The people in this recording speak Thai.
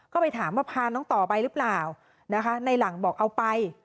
ก็ไปถามว่าพาน้องต่อไปหรือเปล่านะคะในหลังบอกเอาไป